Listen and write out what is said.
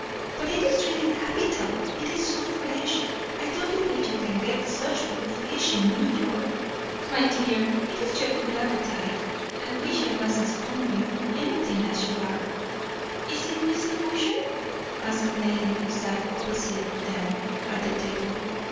"But it is really capital; it is so fresh. I don't believe you can get such blue fish in New York." "My dear, it is your good appetite. I wish I was as hungry, for anything, as you are." "Is it Mrs. Wishart?" asked a lady who sat opposite them at the table.